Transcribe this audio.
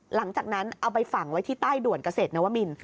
หลังจากนั้นเอาไปฝั่งไว้ที่ใต้ด่วนเกษตรนวมินฯ